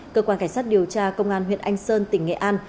cơ quan cảnh sát điều tra công an huyện anh sơn tỉnh nghệ an